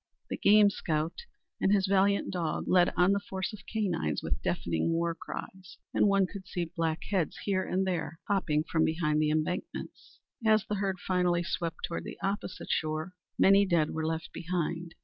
The game scout and his valiant dog led on the force of canines with deafening war cries, and one could see black heads here and there popping from behind the embankments. As the herd finally swept toward the opposite shore, many dead were left behind.